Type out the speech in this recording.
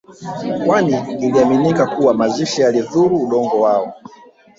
kwani iliaminika kuwa mazishi yalidhuru Udongo wao